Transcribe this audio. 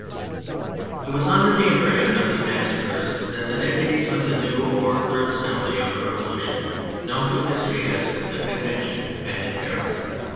THE PHASES 121 It was under the impression of these massacres that the Deputies of the new or third Assembly of the Revolution, known to history as The Convention, met in Paris.